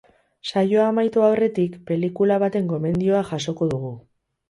Saioa amaitu aurretik, pelikula baten gomendioa jasoko dugu.